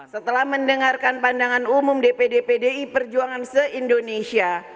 setelah mendengarkan pandangan umum dpd pdi perjuangan se indonesia